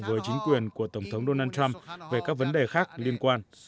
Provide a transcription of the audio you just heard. với chính quyền của tổng thống donald trump về các vấn đề khác liên quan